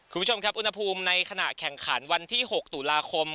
คุณผู้ชมครับอุณหภูมิในขณะแข่งขันวันที่๖ตุลาคม